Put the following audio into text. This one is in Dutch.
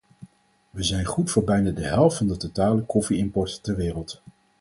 Wij zijn goed voor bijna de helft van de totale koffie-import ter wereld.